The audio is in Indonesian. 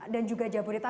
dan juga jabodetal